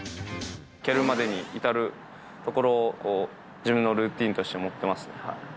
蹴るまでに至るところを自分のルーティンとして持ってます。